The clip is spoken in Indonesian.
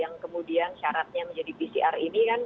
yang kemudian syaratnya menjadi pcr ini kan